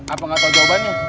apa gak tau jawabannya